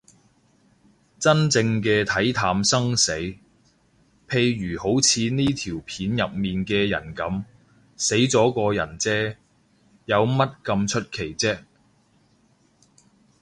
真正嘅睇淡生死，譬如好似呢條片入面嘅人噉，死咗個人嗟，有乜咁出奇啫